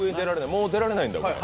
もう出られないんだ、これ。